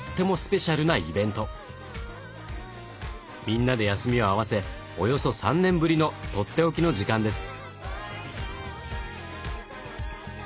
みんなで休みを合わせおよそ３年ぶりのとっておきの時間です。